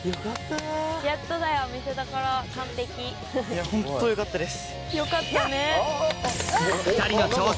いやホントよかったです。